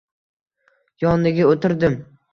Yoniga o‘tirdim.